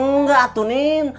nggak tuh nin